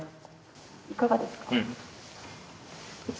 いかがですか？